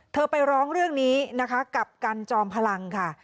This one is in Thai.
ไปร้องเรื่องนี้นะคะกับกันจอมพลังค่ะ